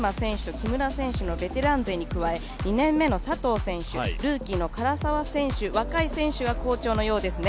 木村選手のベテラン勢に加えて２年目の佐藤選手、ルーキーの唐沢選手、若い選手が好調のようですね。